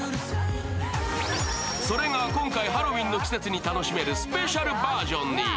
それが今回ハロウィーンの季節に楽しめるスペシャルバージョンに。